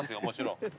もちろん。